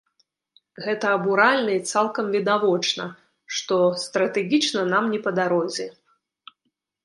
Гэта абуральна, і цалкам відавочна, што стратэгічна нам не па дарозе.